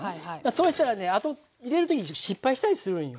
そうしたらねあと入れる時失敗したりするんよ。